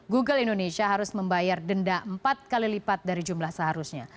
google indonesia harus membayar denda empat kali lipat dari jumlah seharusnya